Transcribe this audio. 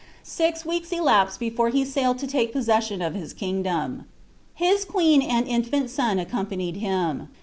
Six weeks elapsed before he sailed to lake posaeseioa of hi* kingdom. His queen and infant son accompanied him.